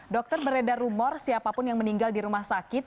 dokter beredar rumor siapapun yang meninggal di rumah sakit